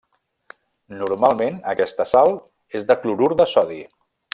Normalment aquesta sal és el clorur de sodi.